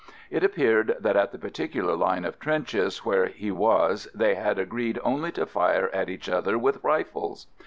It appeared that at the particular line of trenches where he was they had agreed only to fire at each other with rifles